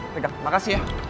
pegang terima kasih ya